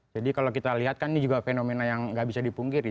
jadi kalau kita lihat kan ini juga fenomena yang tidak bisa dipungkiri